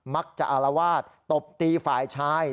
มักจะอลวาดตบตีฝ่ายชาย